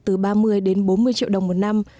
từ ba mươi đến bốn mươi triệu đồng một năm